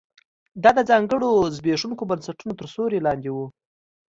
دا د ځانګړو زبېښونکو بنسټونو تر سیوري لاندې و